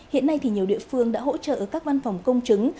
hiện nay thì nhiều địa phương đã hỗ trợ các văn phòng công chứng